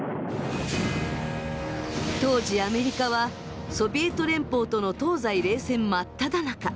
当時アメリカはソビエト連邦との東西冷戦真っただ中。